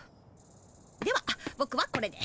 ではぼくはこれで。